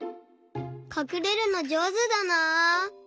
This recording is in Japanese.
かくれるのじょうずだな。